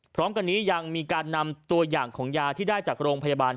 พร้อมกันนี้ยังมีการนำตัวอย่างของยาที่ได้จากโรงพยาบาล